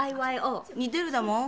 似ているんだもん。